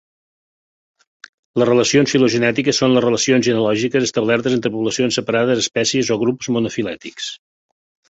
Les relacions filogenètiques són les relacions genealògiques establertes entre poblacions separades, espècies o grups monofilètics.